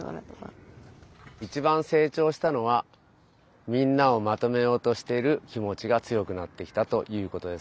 いちばんせいちょうしたのはみんなをまとめようとしている気持ちがつよくなってきたということです。